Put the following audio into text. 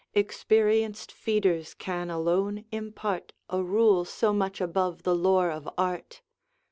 Experienced feeders can alone impart A rule so much above the lore of art.